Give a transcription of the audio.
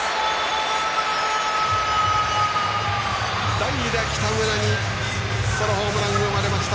代打、北村にソロホームランが生まれました。